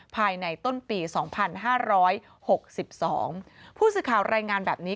ภายในต้นปีสองพันห้าร้อยหกสิบสองผู้สื่อข่าวรายงานแบบนี้